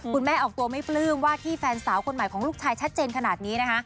ออกตัวไม่ปลื้มว่าที่แฟนสาวคนใหม่ของลูกชายชัดเจนขนาดนี้นะคะ